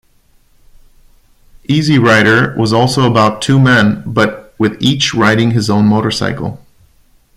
"Easy Rider" was also about two men, but with each riding his own motorcycle.